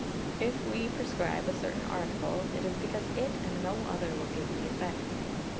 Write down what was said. If we prescribe a certain article, it is because it and no other will give the effect.